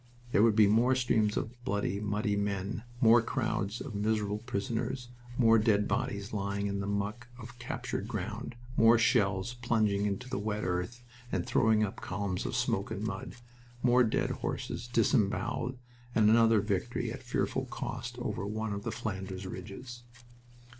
There would be more streams of bloody, muddy men, more crowds of miserable prisoners, more dead bodies lying in the muck of captured ground, more shells plunging into the wet earth and throwing up columns of smoke and mud, more dead horses, disemboweled, and another victory at fearful cost, over one of the Flanders ridges.